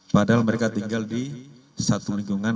padahal mereka tinggal di satu lingkungan